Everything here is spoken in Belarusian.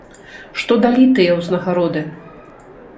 Што далі тыя ўзнагароды?